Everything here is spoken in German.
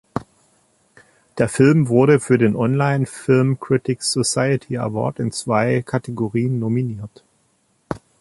Der Film wurde für den "Online Film Critics Society Award" in zwei Kategorien nominiert.